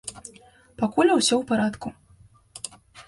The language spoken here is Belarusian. Пакуль усё ў парадку.